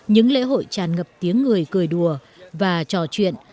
những lễ hội tràn ngập tiếng người cười đùa và trò chuyện